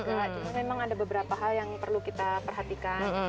enggak cuma memang ada beberapa hal yang perlu kita perhatikan